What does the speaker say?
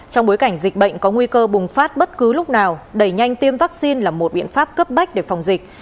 trong bối cảnh dịch bệnh có nguy cơ bùng phát bất cứ lúc nào đẩy nhanh tiêm vaccine là một biện pháp cấp bách để phòng dịch